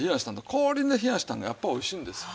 氷で冷やしたんがやっぱりおいしいんですわ。